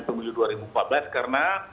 pemilu dua ribu empat belas karena